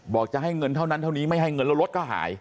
จะให้เงินเท่านั้นเท่านี้ไม่ให้เงินแล้วรถก็หาย